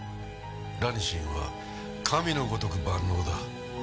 ラニシンは神のごとく万能だ。